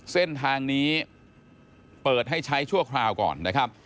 เส้นทางนี้เปิดให้ใช้ชั่วคราวก่อนนะครับ